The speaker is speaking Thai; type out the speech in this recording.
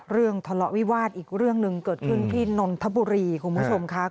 ทะเลาะวิวาสอีกเรื่องหนึ่งเกิดขึ้นที่นนทบุรีคุณผู้ชมค่ะ